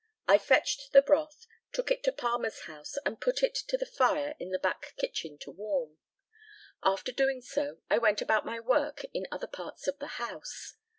I fetched the broth, took it to Palmer's house, and put it to the fire in the back kitchen to warm. After doing so, I went about my work in other parts of the house.